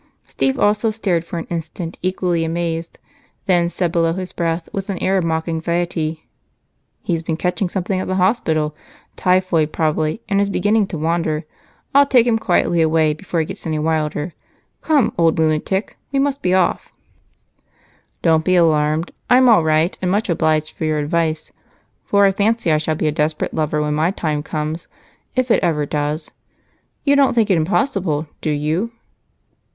Steve also stared for an instant, equally amazed, then said below his breath, with an air of mock anxiety: "He's been catching something at the hospital, typhoid probably, and is beginning to wander. I'll take him quietly away before he gets any wilder. Come, old lunatic, we must be off." "Don't be alarmed. I'm all right and much obliged for your advice, for I fancy I shall be a desperate lover when my time comes, if it ever does. You don't think it impossible, do you?"